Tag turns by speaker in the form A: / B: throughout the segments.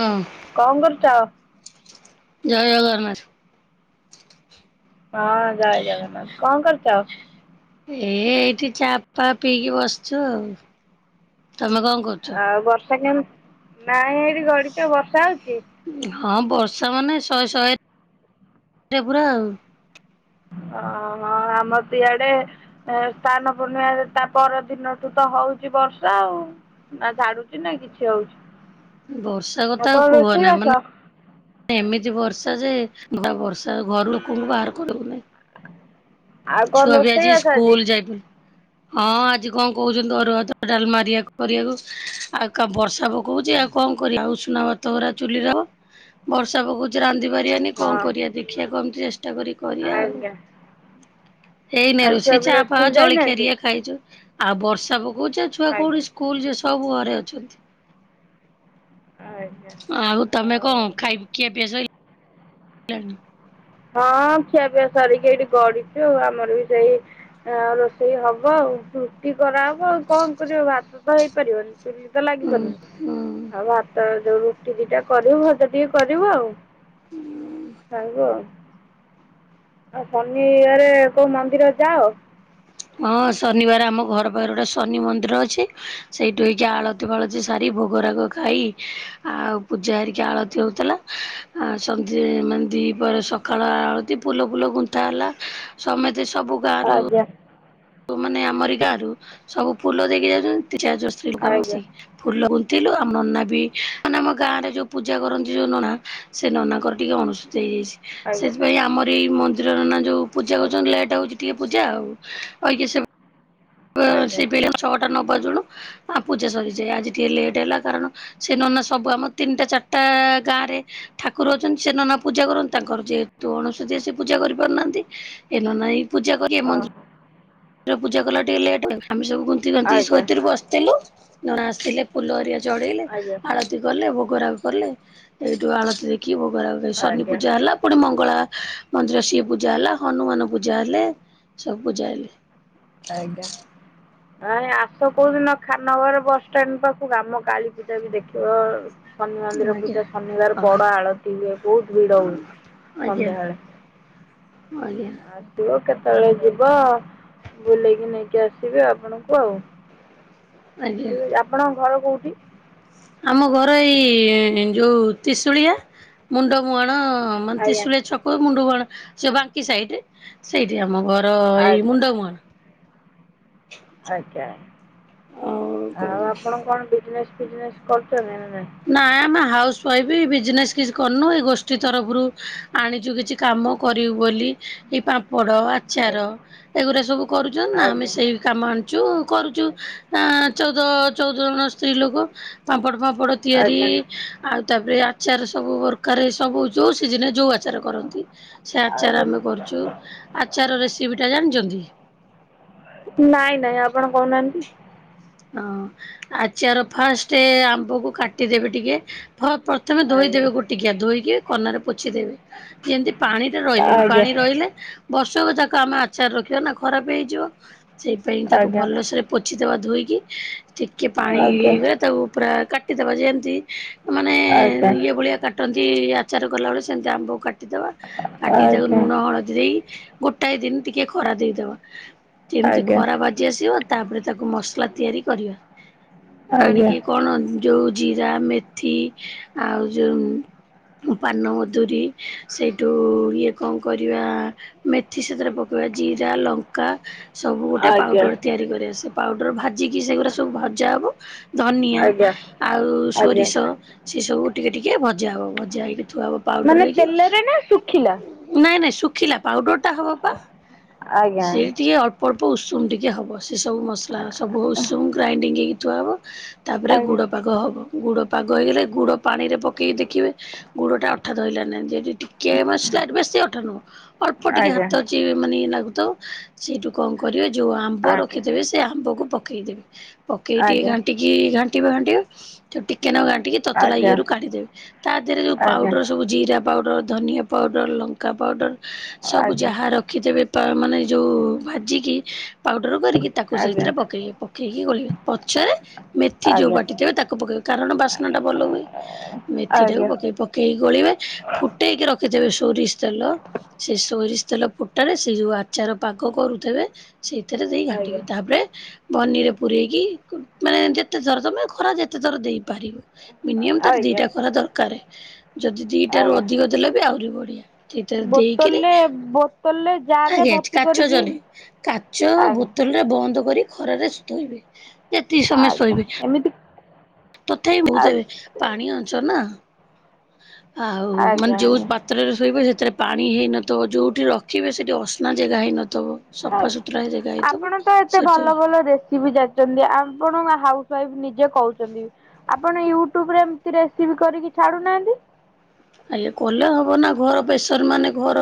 A: ହଁ।
B: କଣ କରୁଛ?
A: ଜୟ ଜଗନ୍ନାଥ।
B: ହଁ ଜୟ ଜଗନ୍ନାଥ। କଣ କରୁଛ?
A: ଏ ଏଇଠି ଚା ଫା ପିଇକି ବସଛୁ ଆଉ। ତମେ କଣ କରୁଛ?
B: ଆଉ ବର୍ଷା କେମିତି, ନାଇଁ ଏଠି ଗଡ଼ିଚୁ, ବର୍ଷା ହେଉଛି?
A: ହଁ ବର୍ଷା ମାନେ ଶହେ ଶହେ [unintelligible] ପୁରା ଆଉ।
B: ଓହୋଃ। ଆମର ତ ଇଆଡ଼େ ସ୍ନାନ ପୂର୍ଣ୍ଣିମା ତା ପରଦିନଠୁ ତ ହଉଛି ବର୍ଷା ଆଉ। ନା ଛାଡ଼ୁଚି ନା କିଛି ହଉଛି।
A: ବର୍ଷା କଥା
B: ଆଉ କଣ ରୋଷେଇ
A: କୁହନା ମାନେ
B: ବାସ?
A: ଏମିତି ବର୍ଷା ଯେ ପୁରା ବର୍ଷା ଘର ଲୋକଙ୍କୁ ବାହାର କରିହଉନି।
B: ଆଉ କଣ
A: ଛୁଆ ବି
B: ରୋଷେଇ
A: ଆଜି
B: ବାସ
A: ସ୍କୁଲ ଯାଇ ପାଇ ହଁ ଆଜି କଣ କହୁଛନ୍ତି ଅରୁଆ ଭାତ, ଡାଲମା ହେରିକା କରିବାକୁ ଆଉ କା ବର୍ଷା ପକଉଛି ଆଉ କଣ କରିବା ଆଉ ଉଷୁନା ଭାତ ଗୁରା ଚୁଲିରେ ହବ ବର୍ଷା ପକଉ ଯେ ରାନ୍ଧି ପାରିବାନି କଣ
B: ହଁ
A: କରିବା ଦେଖିବା କେମିତି ଚେଷ୍ଟା କରି କରିବା ଆଉ।
B: ଆଜ୍ଞା।
A: ହେଇ ନାଇଁ
B: ଆଉ
A: ରୋଷେଇ
B: ଛୁଆ
A: ଚା
B: ପିଲା
A: ଫା
B: ସ୍କୁଲ
A: ଜଳିଖିଆ
B: ଯାଇନାହାନ୍ତି?
A: ହେରିକା ଖାଇଛୁ, ଆଉ ବର୍ଷା ପକଉଛି ଛୁଆ
B: ଆଜ୍ଞା
A: କୋଉଠି ସ୍କୁଲ ଯିବେ ସବୁ ଘରେ ଅଛନ୍ତି।
B: ଆଜ୍ଞା।
A: ଆଉ ତମେ କଣ
B: ଆଉ
A: ଖାଇ ଖିଆପିଆ ସଇ ଲାଣି।
B: ହଁ ଖିଆପିଆ ସାରିକି ଏଇଠି ଗଢଛୁ ଆଉ ଆମର ବି ସେଇ ଆଁ ରୋଷେଇ ହବ ଆଉ ରୁଟି କରାହବ ଆଉ କଣ କରିବ ଭାତ ତ ହେଇପାରିବନି। ଚୁଲି ତ
A: ହୁଁ
B: ଲାଗିବନି
A: ହୁଁ
B: ଆଉ ଭାତ ଯୋଉ ରୁଟି ଦିଟା କରିବୁ ଭଜା ଟିକେ କରିବୁ ଆଉ। ଖାଇବ। ଆଉ ଶନିବାରେ କୋଉ ମନ୍ଦିର ଯାଅ?
A: ହଁ ଶନିବାର ଆମ ଘର ପାଖରେ ଗୋଟେ ଶନି ମନ୍ଦିର ଅଛି ସେଇଠୁ ଅଇକା ଆଳ ଆଳତି ଫାଳତି ସାରି ଭୋଗରାଗ ଖାଇ ଆଉ ପୂଜା ହେରିକା ଆଳତି ହେଉଥିଲା ଆ ସନ୍ଧ୍ୟ ମାନେ ଦିଇ ପହରେ ସକାଳ ଆଳତି ଫୁଲ ଫୁଲ ଗୁନ୍ଥା ହେଲା ସମେତେ ସବୁ ଗାଁରୁ
B: ଆଜ୍ଞା।
A: ମାନେ ଆମରି ଗାଁ ରୁ ସବୁ ଫୁଲ ଦେଇକି ଯାଉଛନ୍ତି ଦି ଚାରିଜଣ ସ୍ତ୍ରୀଲୋକ ଆମେ
B: ଆଜ୍ଞା
A: ବସିକି ଫୁଲ ଗୁନ୍ଥିଲୁ ଆମ ନନା ବି ମାନେ ଆମ ଗାଁ ରେ ଯୋଉ ପୂଜା କରନ୍ତି ଯୋଉ ନନା ସେ ନନାଙ୍କର ଟିକେ ଅଣଶୁଦ୍ଧିଆ ହେଇଯାଇଛି। ସେଥିପାଇଁ ଆମର ଏଇ ମନ୍ଦିରର ନନା ଯୋଉ ପୂଜା କରୁଛନ୍ତି ଲେଟ୍ ହଉଛି ଟିକେ ପୂଜା ଆଉ [unintelligible]
B: ଆଜ୍ଞା ଆଜ୍ଞା ଆଜ୍ଞା
A: ସେଇ ପାଇଁ ଛଅଟା ନ ବାଜୁଣୁ ଆ ପୂଜା ସରିଯାଏ ଆଜି ଟିକେ ଲେଟ୍ ହେଲା କାରଣ ସେ ନନା ସବୁ ଆମ ତିନିଟା ଚାରିଟା ଗାଁ ରେ ଠାକୁର ଅଛନ୍ତି ସେ ନନା ପୂଜା କରନ୍ତି ତାଙ୍କର ଯେହେତୁ ଅଣସୁଧୀଆ ସେ ପୂଜା କରିପାରୁନାହାନ୍ତି ଏଇ ନାନା ପୂଜା କରିବେ
B: ହଁ
A: ମନ୍ଦିର ପୂଜା କଲା ଟିକେ ଲେଟ ଆମେ ସବୁୁଗୁନ୍ଥି ଗୁନ୍ଥି ଗାନ୍ଥି ସେ
B: ଆଜ୍ଞା
A: ଭିତରେ ବସିଥିଲୁ ନନା ଆସିଲେ ଫୁଲ ହାରିକା ଚଢ଼େଇଲେ
B: ଆଜ୍ଞା
A: ଆଳତି ତି କଲେ ଭୋଗରାଗ କଲେ ସେଇଠୁ ଆଳତି ଦେଖି ଭୋଗରାଗ ସନି
B: ଆଜ୍ଞା
A: ପୂଜା ହେଲା ପୁଣି ମଙ୍ଗଳା ମନ୍ଦିର ସିଏ ପୂଜା ହେଲା ହନୁମାନ ପୂଜା ହେଲେ ସବୁ ପୂଜା ହେଲେ।
B: ଆଜ୍ଞା। ନାଇଁ ଆସ କୋଉଦିନ ଖାନନଗର ବସଷ୍ଟାଣ୍ଡ ପାଖକୁ ଆମ କାଳୀପୂଜା ବି ଦେଖିବ। ଶନି ମନ୍ଦିର
A: ଆଜ୍ଞା।
B: ପୂଜା
A: ହ
B: ଶନିବାର ବଡ ଆଳତି ହୁଏ ବହୁତ ଭିଡ ହୁଏ
A: ଆଜ୍ଞା
B: ସନ୍ଧ୍ୟାବେଳେ।
A: ଆଜ୍ଞା।
B: ଆସିବ କେତେବେଳେ ଯିବ ବୁଲେଇକି ନେଇକି ଆସିବି ଆପଣଙ୍କୁ ଆଉ
A: ଆଜ୍ଞା।
B: ଆପଣଙ୍କ ଘର କୋଉଠି?
A: ଆମ ଘର ଏଇ ଯୋଉ ତିଶୁଳିଆ ମୁଣ୍ଡ ମୁୁହାଣ
B: ଆଜ୍ଞା
A: ତିଶୁଳିଆ ଛକ ମୁଣ୍ଡ ମୁହାଣ, ସେ ବାଙ୍କି ସାଇଟି ସେଇଠି ଆମ ଘର ଏଇ
B: ଆଜ୍ଞା
A: ମୁଣ୍ଡ ମୁହାଣ।
B: ଆଜ୍ଞା ଆଉ ଆପଣ କଣ ବିଜନେସ୍ ଫିଜନେସ୍ କରୁଛନ୍ତି ନା ନା ନାଇ?
A: ନା ଆମେ ହାଉସ ୱାଇଫ୍ ବିଜନେସ୍ କିଛି କରିନୁ ଏଇ ଗୋଷ୍ଠୀ ତରଫରୁ ଆଣିଚୁ କିଛି କାମ କରିବୁ ବୋଲି ଏଇ ପାମ୍ପଡ଼ ଆ ଚାର
B: ଆଜ୍ଞା
A: ଏଗୁରା ସବୁ କରୁଛନ୍ତି ନା ଆମେ
B: ଆଜ୍ଞା
A: ସେଇ କାମ ଆଣୁଚୁ କରୁଚୁ ଆ ଚଉଦ ଚଉଦ ଜଣ ସ୍ତ୍ରୀ ଲୋକ। ପାମ୍ପଡ ଫାମ୍ପଡ ତିଆରି
B: ଆଜ୍ଞା
A: ଆଉ ତାପରେ ଆଚାର ସବୁ ପ୍ରକାର ସବୁ ଯୋଉ ସିଜନରେ ଯୋଉ ଆ ଆଚାର କରନ୍ତି ସେ ଆଚାର
B: ଆଜ୍ଞା
A: ଆମେ କରୁଚୁ ଆଚାର ରେସିପିଟା ଜାଣିଛନ୍ତି?
B: ନାଇଁ ନାଇଁ ଆପଣ କହୁନାହାନ୍ତି।
A: ହଁ ଆଚାର ଫାଷ୍ଟ ଆମ୍ବକୁ କାଟିଦେବେ ଟିକେ ଫ ପ୍ର ତମେ
B: ଆଜ୍ଞା
A: ଧୋଇଦେବେ ଗୋଟିକିଆ ଧୋଇକି କନାରେ ପୋଛିଦେବେ ଯେମିତି ପାଣି ରହିବନି
B: ଆଜ୍ଞା
A: ପାଣି ରହିଲେ ବର୍ଷକ ଯାକ ଆମେ ଆଚାର ରଖିବା ନା ଖରାପ ହେଇଯିବ ସେଇଥିପାଇଁ ତାକୁ
B: ଆଜ୍ଞା
A: ଭଲସେରେ ପୋଛିଦବା ଧୋଇକି ଟିକେ ପାଣି
B: ଆଜ୍ଞା
A: ଇଗଲେ ତାକୁ ପୁରା କାଟିଦବ ଯେମିତି ମାନେ
B: ଆଜ୍ଞା।
A: ଯୋଉ ଭଳିଆ କାଟନ୍ତି ଆଚାର କଲାବେଳେ ସେମିତି ଆମ୍ବକୁ କା କାଟିଦବ, କାଟିିକି ତାକୁ
B: ଆଜ୍ଞା
A: ନୁଣ ହଳଦୀ ଦେଇ ଗୋଟାଏ ଦିନ ଟିକେ ଖରା ଦେଇଦବ। ଯେମିତି
B: ଆଜ୍ଞା
A: ଖରା ବାଜି ଆସିବ ତାପରେ ତାକୁ ମସଲା ତିଆରି କରିବା ଆଣିକି କଣ ଯୋଉ ଜିରା ମେଥି ଆଉ ଯୋଉ ପାନମଧୁରୀ ସେଇଠୁ ଇଏ କଣ କରିବା ମେଥି ସେଥିରେ ପକେଇବା ଜିରା ଲଙ୍କା ସବୁ
B: ଆଜ୍ଞା
A: ଗୋଟେ
B: ଆଜ୍ଞା
A: ପାଉଡର ତିଆରି କରିବା ସେ ପାଉଡର ଭାଜିକି ସେଗୁରା ସବୁ ଭଜା ହବ। ଧନିଆ
B: ଆଜ୍ଞା
A: ଆଉ
B: ଆଜ୍ଞା
A: ସୋରିଷ ସେସବୁ ଟିକେ ଟିକେ ଭଜା ହେବ ଭଜା ହେଇକି ଥୁଆ ହେବ। ପାଉଡର
B: ମାନେ
A: ହେଇକି
B: ତେଲରେ ନା ଶୁଖିଲା?
A: ନାଇଁ ନାଇଁ ଶୁଖିଲା ପାଉଡର ଟା ହବ ପା
B: ଆଜ୍ଞା
A: ସେଇଠି ଅଳ୍ପ ଅଳ୍ପ ଉଷୁମ ଟିକେ ହବ ସେ ସବୁ ମସଲା ସବୁ
B: ଆଜ୍ଞା
A: ଉଷୁମ ଗ୍ରା ଗ୍ରାଇଣ୍ଡିଗ ହେଇ ଥୁଆ ହବ। ତା ପରେ ଗୁଡ
B: ଆଜ୍ଞା
A: ପାଗ ହବ, ଗୁଡ଼ପାଗ ହେଇଗଲେ ଗୁଡ଼ ପାଣିରେ ପକେଇ ଦେଖିବେ ଗୁଡ ଟା ଅଠା ଧଇଲାନି ନା ନାହି, ଯଦି ଟିକେ ମାନେ ସ୍ଲାଇଟ ବେଶୀ ଅଠା ନୁହଁ ଅଳ୍ପ ଟିକେ
B: ଆଜ୍ଞା
A: ହାତ ଅଛି ମାନେ ଇଏ ଲାଗୁଥବ ସେଇଠୁ କଣ କରିବେ ଯୋଉ ଆମ୍ବ
B: ଆଜ୍ଞା
A: ରଖିଥେବେ ସେ ଆମ୍ବକୁ ପକେଇଦେବେ, ପକେଇ ଟିକେ
B: ଆଜ୍ଞା
A: ଘାଣ୍ଟିକି ଘାଣ୍ଟିବେ ଘାଣ୍ଟିବେ ଟିକେ ନାକୁ ଘାଣ୍ଟିକି
B: ଆଜ୍ଞା
A: ତତଲା
B: ଆଜ୍ଞା
A: ଇଏରୁ କାଢିଦେବେ ତା ଦେହରେ ଯୋଉ ପାଉଡର ସବୁ ଜିରା ପାଉଡ଼ର, ଧନିଆ ପାଉଡ଼ର, ଲଙ୍କା ପାଉଡ଼ର ସବୁ ଯାହା ରଖିଥିବେ ମାନେ ଯୋଉ ଭାଜିକି ପାଉଡ଼ର କରିକି ତାକୁ
B: ଆଜ୍ଞା ଆଜ୍ଞା
A: ସେଇଥିରେ ପ ପକେଇ ପକେଇକି ଗୋଳିବେ ପଛରେ ମେଥି ଯୋଉ ବାଟିଥିବେ ତାକୁ ପକେଇବେ କାରଣ ବାସ୍ନାଟା ଭଲ ହୁଏ, ମେଥି ଟାକୁ ପକେଇବେ, ପକ ପକେଇ ଗୋଳିବେ ଫୁଟେଇକି ରଖିଥିବେ ସୋରିଷ ତେଲ ସେ ସୋରିଷ ତେଲ ଫୁଟାରେ ସେ ଯୋଉ ଆଚାର ପାଗ କରୁଥେବେ ସେଇଥିରେ ଦେଇ
B: ଆଜ୍ଞା
A: ଘାଣ୍ଟିବେ ତାପରେ ବନିରେ ପୂରେଇକି ମାନେ ଯେତେ ଥର ତମେ ଖରା ଯେତେ ଥର ଦେଇପାରିବ ମିନିମମ
B: ଆଜ୍ଞା
A: ତାର
B: ଆଜ୍ଞା
A: ଦିଟା ଖରା ଦରକାର ଯଦି ଦିଟା ରୁ ଅଧିକ ଦେଲ ବି ଆହୁରି ବଢିଆ। ସେଇଥିରେ ଦେଇକିରି
B: ବୋଟଲରେ ବୋତଲରେ ଜାର ରେ
A: ଆଜ୍ଞା।
B: ଭର୍ତ୍ତି
A: କାଚ
B: କରିକି
A: ଜଲି କାଚ
B: ଆଜ୍ଞା
A: ବୋତଲରେ ବନ୍ଦ କରି ଖରାରେ ସ ଥୋଇବେ। ଯେତିକି ସମୟ
B: ଆଜ୍ଞା
A: ଶୋଇବେ
B: ଏମିତି
A: ତଥାପି ବହୁତ ହେବେ ପାଣି ଅଂଶ ନା ଆଉ ମାନେ
B: ଆଜ୍ଞା
A: ଯୋଉ ବା ପାତ୍ରରେ ଶୋଇବେ ସେଥିରେ ପାଣି ହେଇନଥିବ ଯଉଠି ରଖିବେ ସେଠି ଅସନା ଜାଗା ହେଇନ
B: ଆପଣ ତ ଏତେ
A: ସେଠି
B: ଭଲ ଭଲ ରେସିପି ଯା ଛନ୍ତି ଆପଣ ହାଉସ ୱାଇଫ ନିଜେ କହୁଛନ୍ତି। ଆପଣ ୟୁଟ୍ୟୁବରେ ଏମିତି ରେସିପି କରିକି ଛାଡୁନାହାନ୍ତି।
A: ଆଜ୍ଞା କଲେ ହେବ ନା ଘର ପ୍ରେସର ମାନେ ଘର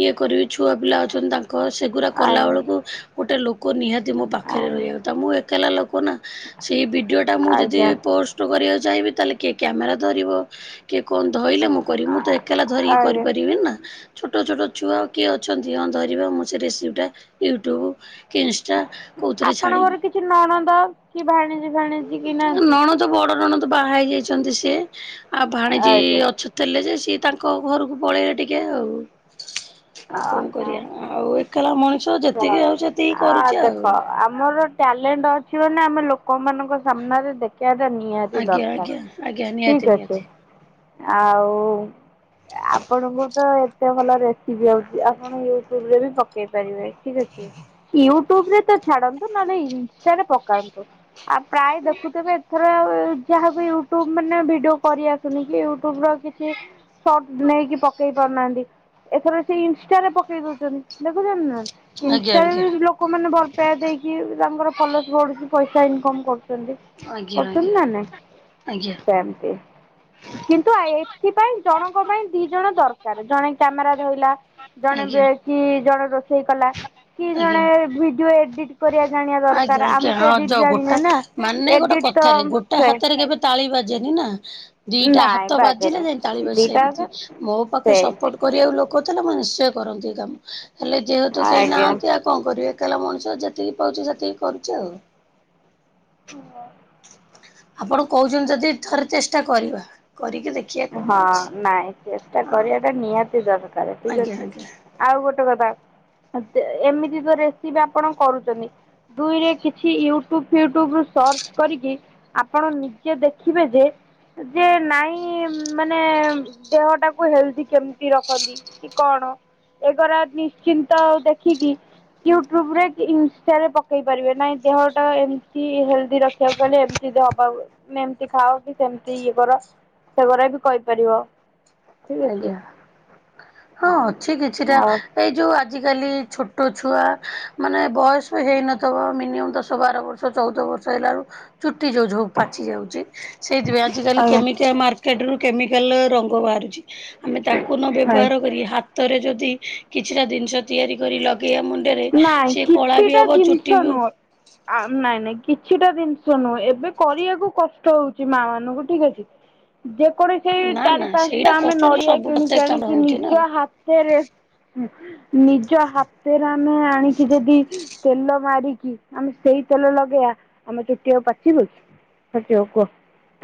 A: ଇଏ କରିବି ଛୁଆ ପିଲା ଅଛନ୍ତି ତାଙ୍କ ସେ ଗୁରା
B: ଆଜ୍ଞା।
A: କଲାବେେଳକୁ ଗୋଟେ ଲୋକ ନିହାତି ମୋ ପାଖରେ ରହିବା କଥା ମୁଁ ଏକଲା ଲୋକ ନା। ସେଇ ଭିଡିଓ ଟା ମୁଁ ଯଦି
B: ଆଜ୍ଞା
A: ପୋଷ୍ଟ କରିବାକୁ ଚାହିଁବି ତାହେଲେ କିଏ କ୍ୟାମେରା ଧରିବ କିଏ କହ ଧଇଲେ ମୁଁ କରିବି ମୁଁ ତ ଏକଲା ଧରିକି
B: ଆଜ୍ଞା।
A: କରିପାରିବିନି ନା। ଛୋଟ ଛୋଟ ଛୁଆ ଆଉ କିଏ ଅଛନ୍ତି ହଁ ଧରିବ ମୁଁ ସେ ରେସିପିଟା ୟୁଟ୍ୟୁବ୍ କି ଇନଷ୍ଟା କୋଉଥିରେ ଛାଡିବି
B: ଆପଣଙ୍କର କିଛି ନଣନ୍ଦ କି ଭାଣିଜି ଫାଣିଜି କି ନାହାନ୍ତି?
A: ନଣ ତ ବଡ ନଣନ୍ଦ ତ ବାହା ହେଇ ଯାଇଛନ୍ତି ସିଏ ଆଉ ଭାଣିଜୀ
B: ଆଜ୍ଞା
A: ଅ ଛ ଥିଲେ ଯେ ସିଏ ତାଙ୍କ ଘରକୁ ପଳେଇଲେ ଟିକେ ଆଉ ଆଉ କଣ
B: ଓହୋ
A: କରିବା ଆଉ ଏକଲା ମଣିଷ ଯେତିକି
B: ଜଣେ।
A: ଆଉଚି ହେତିକି
B: ଆ
A: କରୁଛି
B: ଦେଖ
A: ଆଉ।
B: ଆମର ଟ୍ୟାଲେଣ୍ଟ ଅଛି ମାନେ ଆମେ ଲୋକମାନଙ୍କ ସାମ୍ନାରେ ଦେଖ ଖେଇବା ଟା ନିହାତି
A: ଆଜ୍ଞା
B: ଦରକାର
A: ଆଜ୍ଞା ଆଜ୍ଞା ନିହାତି
B: ଠିକ ଅଛି।
A: ନିହାତି
B: ଆଉ ଆପଣଙ୍କୁ ତ ଏତେ ଭଲ ରେ [unintelligible] ଆପଣ ୟୁଟ୍ୟୁବ ରେ ବି ପକେଇ ପାରିବେ ଠିକ ଅଛି। ୟୁଟ୍ୟୁବ ରେ ତ ଛାଡନ୍ତୁ ନହେଲେ ଇନଷ୍ଟାରେ ପକାନ୍ତୁ ଆଉ ପ୍ରାୟ ଦେଖୁଥିବେ ଥର ଯାହାକୁ ୟୁଟ୍ୟୁବ ମାନେ ଭିଡିଓ କରି ଆସୁନି କି ୟୁଟୁବ ର କିଛି ସର୍ଟ ନେଇକି ପକେଇ ପାରୁନାହାନ୍ତି ଏଥର ସେ ଇନଷ୍ଟାରେ ପକେଇ ଦଉଛନ୍ତି
A: ଆଜ୍ଞା ଆଜ୍ଞା
B: ଦେଖୁଛନ୍ତିନା। ଲୋକ ମାନେ ଭଲ ପାଇବା ଦେଇକି ତାଙ୍କର ଫୋଲୋର୍ସ ବଢୁଛି ପଇସା ଇନକମ କରୁ ଛନ୍ତି
A: ଆଜ୍ଞା
B: କରଛନ୍ତି ନା ନାଇଁ
A: ଆଜ୍ଞା। ଆଜ୍ଞା
B: ସେମତି। କିନ୍ତୁ ଆ ଏଥିପାଇଁ ଜଣଙ୍କ ପାଇଁ ଦି ଜଣ ଦରକାର ଜଣେ କ୍ୟାମେରା ଧଇଲା ଜଣେ
A: ଆଜ୍ଞା
B: ବେଗି ଜଣେ ରୋଷେଇ କଲା। କି ଜଣେ
A: ଆଜ୍ଞା।
B: ଭିଡିଓ ଏଡିଟ କରିବା ଜାଣିବା
A: ଆଜ୍ଞା
B: ଦରକାର
A: ଆଜ୍ଞା
B: ଆମେ
A: ହଁ
B: ତ
A: ଯ
B: ଏଡିଟ
A: ଗୋଟା
B: ଜାଣିନେ ନା।
A: ମାନେ ଗୋଟେ
B: ଏଡିଟ ତ
A: କଥାରେ ଗୋଟା
B: ସେ
A: ହାତରେ କେବେ ତାଳି ବାଜେନି ନା ଦିଟା
B: ନାଇଁ
A: ହାତ ବାଜିଲେ
B: ବାଜେନି
A: ଯେ ଳିବ
B: ଦିଟା
A: ସେମିତି
B: ଯାକ
A: ମୋ ପାଖେ
B: ସେ
A: ସପୋର୍ଟ କରିବାକୁ ଲୋକ ଥିଲେ ମୁଁ ନିଶ୍ଚୟ କରନ୍ତି କାମ ହେଲେ ଯେହେତୁ କେହି
B: ଆଜ୍ଞା
A: ନାହାନ୍ତି ଆ କଣ କରିବି ଏକାଲା ମଣିଷ ଯେତିକି ପାଉଛି ସେତିକି କରୁଛି ଆଉ।
B: ହ।
A: ଆପଣ କହୁଛନ୍ତି ଯଦି ଥରେ ଚେଷ୍ଟା କରିବା କରିକି ଦେଖ
B: ହଁ ନାଇଁ ଚେଷ୍ଟା କରିବା ଟା ନିହାତି ଦରକାର ଠିକ
A: ଆଜ୍ଞା
B: ଅଛି।
A: ଆଜ୍ଞା
B: ଆଉ ଗୋଟେ କଥା ଏମିତି ତ ରେସିପି ଆପଣ କରୁଛନ୍ତି ଦୁଇରେ କିଛି ୟୁଟ୍ୟୁବ ଫ୍ୟୁଟ୍ୟୁବ ରୁ ସର୍ଚ୍ଚ କରିକି ଆପଣ ନିଜେ ଦେଖିବେ ଯେ ଯେ ନାଇଁ ମାନେ ଦେହ ଟାକୁ ହେଲ୍ଦି କେମତି ରଖନ୍ତି କି କଣ? ଏଗରା ନିଶ୍ଚିନ୍ତ ଦେଖିକି ୟୁଟ୍ୟୁବରେ କି ଇନଷ୍ଟାରେ ପକେଇ ପାରିବେ ନାହିଁ ଦେହଟା ଏମିତି ହେଲ୍ଦି ରଖିବାକୁ ଗଲେ ହବାକୁ ଏମିତି ଖାଅ କି ସେମତି ଇଏ କର ସେଗରା ବି କହିପାରିବ। ଠିକ ଅଛି
A: ଆଜ୍ଞା ହଁ ଅଛି କିଛିଟା।
B: ଆଉ
A: ଏଇ ଯେଉଁ ଆଜିକାଲି ଛୋଟ ଛୁଆ ମାନେ ବୟସ ବି ହେଇନଥିବ ମିନିମମ୍ ଦଶ ବାର ବର୍ଷ ଦଶ ଚଉଦ ବର୍ଷ ହେଲାରୁ ଚୁଟି ଯେଉଁ ପାଚି ଯାଉଛି। ସେଇଥି ପାଇଁ ଆଜିକାଲି
B: ଆଜ୍ଞା
A: କେମିକାଲ୍ ମାର୍କେଟ ରୁ କେମିକାଲ ରଙ୍ଗ ବାହାରୁଛି ଆମେ ତାକୁ ନ
B: ଆଜ୍ଞା
A: ବ୍ୟବହାର କରି ହାତରେ ଯଦି କିଛିଟା ଜିନିଷ ତିଆରି କରି ଲଗେଇବା ମୁଣ୍ଡରେ
B: ନାଇଁ
A: ସେ କଳା ବି
B: କିଛିଟା
A: ହେବ ଚୁଟି
B: ଜିନିଷ
A: ବି
B: ନୁହଁ। ଆ ନାଇଁ ନାଇଁ କିଛିଟା ଜିନିଷ ନୁହେଁ ଏବେ କରିବାକୁ କଷ୍ଟ ହଉଛି ମା ମାନଙ୍କୁ ଠିକ ଅଛି। ଯେପରିକି
A: ନା ନା
B: ଚାରି
A: ସେଇଟା
B: ପାଞ୍ଚଟା ଆମେ
A: କଷ୍ଟରେ ତ
B: ନଡିଆ
A: ସବୁ
B: କିଣିକି
A: ପ୍ରତ୍ୟେକ କାମ
B: ଆଣିକି
A: ହଉଛି ନା
B: ନିଜ
A: ଆଜ୍ଞା।
B: ହାତ [unintelligible] ନିଜ ହାତେରେ ଆମେ ଆଣିକି ଯଦି ତେଲ ମାରିକି ଆମେ ସେଇ ତେଲ ଲଗେଇବା ଆମେ ଚୁଟିଆଉ ପାଚିବ ପଚିବ କୁହ?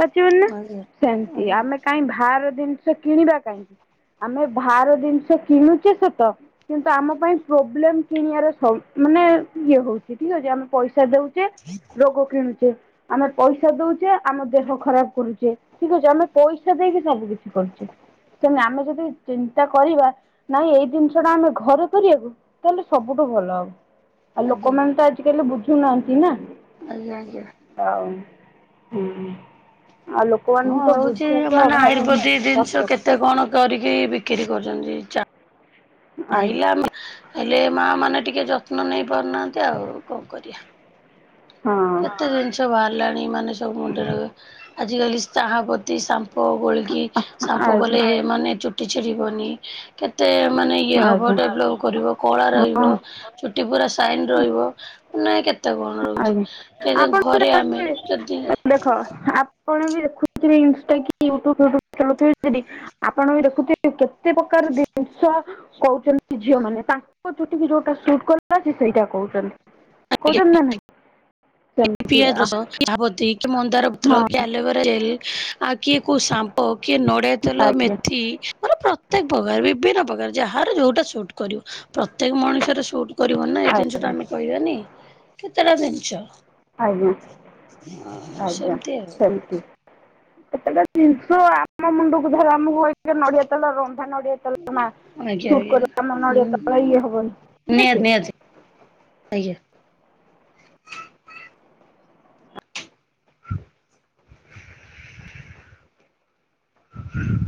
B: ପଚିବନି ନା
A: ଆଜ୍ଞା
B: ସେମତି ଆମେ
A: ଆଜ୍ଞା
B: କାହିଁ ବାହାର ଦିନ କିଣିବା କାହିଁକି ଆମେ ବାହାର ଜିନିଷ କିଣୁଛେ ସତ କିନ୍ତୁ ଆମ ପାଇଁ ପ୍ରୋବ୍ଲେମ କିଣିବାର ସ ମାନେ ଇଏ ହଉଛି ଠିକ ଅଛି ଆମେ ପଇସା ଦଉଛେ। ରୋଗ କିଣୁଛେ ଆମେ ପଇସା ଦଉଛେ ଆମ ଦେହ ଖରାପ କରୁଛେ। ଠିକ ଅଛି ଆମେ ପଇସା ଦେଇକି ସବୁ କିଛି କରୁଛେ। ସେମତି ଆମେ ଯଦି ଚିନ୍ତା କରିବା ନାଇଁ ଏଇ ଜିନିଷ ଟା ଆମେ ଘରେ କରିବାକୁ ତାହେଲେ ସବୁଠୁ ଭଲ ହବ ଆଉ ଲୋକମାନେ ତ ଆ ଟିକେ ହେଲେ ବୁଝୁନାହାନ୍ତି ନା
A: ଆଜ୍ଞା ଆଜ୍ଞା।
B: ହଉ ହୁଁ।
A: ହଁ ହଉଛି ମାନେ
B: ଭାରି
A: ଆୟୁର୍ବେଦିକ ଜିନିଷ
B: କଷ୍ଟ
A: କେତେ କଣ କରିକି ବିକ୍ରି କରୁଛନ୍ତି ଚା ପାଇଲା
B: ଆଜ୍ଞା
A: ହେଲେ ମାଆ ମାନେ ଟିକେ ଯତ୍ନ ନେଇପାରୁନାହାନ୍ତି ଆଉ କଣ କରିବା।
B: ହଁ
A: କେତେ ଜିନିଷ ବାହାରିଲାଣି ମାନେ ସବୁ ମୁଣ୍ଡରେ ଆଜିକାଲି ଚାହା ପତି ସାମ୍ପ ଗୋଳିକି ସାମ୍ପ
B: ଆଜ୍ଞା
A: କଲେ ହେ ମାନେ ଚୁଟି ଛିଡିବନି। କେତେ ମାନେ ଇଏ ହେବ
B: ଆଜ୍ଞା
A: ଡେଭଲପ୍ କରିବ। କଳା
B: ହଁ
A: ରହିବ, ଚୁଟି ପୁରା ସାଇନ୍ ରହିବ, ମାନେ କେତେ କଣ ରହୁଛି।
B: ଆଜ୍ଞା
A: ଯଦି
B: ଆପଣ।
A: ଘରେ ଆମେ ଯଦି
B: [unintelligible] ଦେଖ ଆପଣ ବି ଦେଖୁଥିବେ ଇନଷ୍ଟା କି ୟୁଟ୍ୟୁବୁ ଫିଟୁବ ଚଲଉଥିବେ ଯଦି। ଆପଣ ବି ଦେଖୁଥିବେ କେତେ ପ୍ରକାର ଜିନିଷ କହୁଛନ୍ତି ଝିଅ ମାନେ, ତାଙ୍କ ଚୁଟିକୁ ଯୋଉଟା ସୁଟ କଲା ସେ ସେଇଟା କହୁଛନ୍ତି। କଉଟ ନା ନାହିଁ? ସେମିତି
A: ପିଆଦ
B: ଆ
A: ରସ, କି ଚା ପତି, କି ମନ୍ଦାରପତ୍ର,
B: ହଁ
A: କି ଆଲୋଭେରା ଜେଲ। ଆଉ କିଏ କୋଉ ସାମ୍ପ କିଏ ନଡିଆ ତେଲ
B: ଆଜ୍ଞା
A: ମେଥି। ମୋରେ ପ୍ରତ୍ୟେକ ପ୍ରକାର ବିଭିନ୍ନ ପ୍ରକାର ଯାହାର ଯେଉଁଟା ସୁଟ୍ କରିବ। ପ୍ରତ୍ୟେକ ମଣିଷର ସୁଟ୍ କରିବ ନା ଏ ଜିନିଷଟା
B: ଆଜ୍ଞା
A: ଆମେ କହିବାନି କେତେଟା ଜିନିଷ?
B: ଆଜ୍ଞା ଆଜ୍ଞା
A: ସେମିତି ଆଉ
B: ସେମିତି। ଏତେଟା ଜିନିଷ ଆମ ମୁଣ୍ଡକୁ ଧର ଆମକୁ ଇ ନଡିଆ ତେଲ, ରନ୍ଧା ନଡିଆତଲ ମା
A: ଆଜ୍ଞା
B: ଶୁଟ କରିବ, ଆମ ନଡିଆ
A: ଆଜ୍ଞା
B: ତେଲ ଇଏ ହବନି ଠିକ୍ ଅଛି।
A: ନିହାତି ନିହାତି ଆଜ୍ଞା। [inaudible]